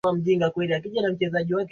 Watu wachoyo walifukuzwa mkutanoni